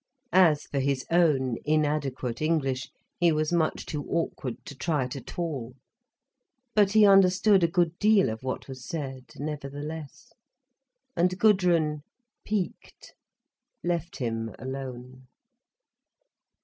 As for his own inadequate English, he was much too awkward to try it at all. But he understood a good deal of what was said, nevertheless. And Gudrun, piqued, left him alone.